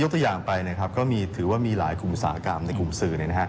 ยกตัวอย่างไปก็ถือว่ามีหลายกลุ่มสากรามในกลุ่มสื่อ